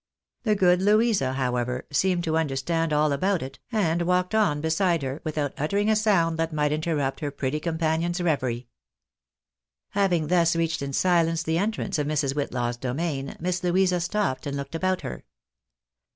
The good Louisa, however, seemed to understand all about it, and walked on beside her without uttering a sound that might interrupt her pretty com panion's revery. Having thus reached in silence the entrance of iMrs. Whitlaw's domain. Miss Louisa stopped and looked about her.